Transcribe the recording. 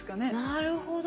なるほど。